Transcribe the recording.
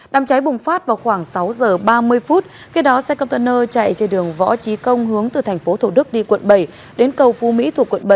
đám cháy bùng phát vào khoảng sáu giờ ba mươi phút khi đó xe container chạy trên đường võ trí công hướng từ tp thổ đức đi quận bảy đến cầu phú mỹ thuộc quận bảy